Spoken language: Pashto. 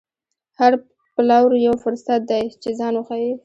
هر پلور یو فرصت دی چې ځان وښيي.